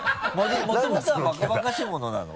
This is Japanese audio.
もともとはバカバカしいものなの？